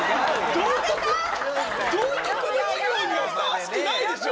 道徳の授業にはふさわしくないでしょ！